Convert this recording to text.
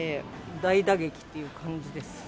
大打撃という感じです。